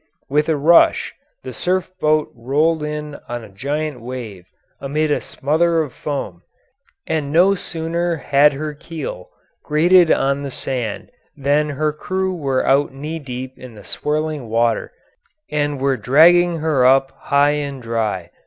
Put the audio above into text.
With a rush the surf boat rolled in on a giant wave amid a smother of foam, and no sooner had her keel grated on the sand than her crew were out knee deep in the swirling water and were dragging her up high and dry.